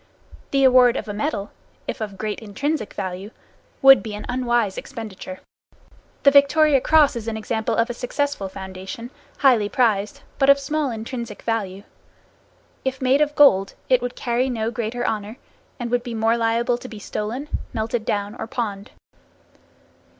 The award of a medal, if of great intrinsic value, would be an unwise expenditure. The Victoria Cross is an example of a successful foundation, highly prized, but of small intrinsic value. If made of gold, it would carry no greater honor, and would be more liable to be stolen, melted down or pawned.